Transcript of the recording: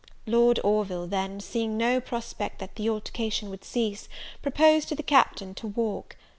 Lord Orville, then, seeing no prospect that the altercation would cease, proposed to the Captain to walk.